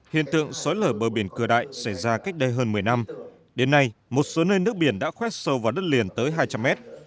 hiện tượng sói lở bờ biển cửa đại xảy ra cách đây hơn một mươi năm đến nay một số nơi nước biển đã khoét sâu vào đất liền tới hai trăm linh mét